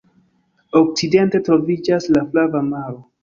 Okcidente troviĝas la Flava Maro.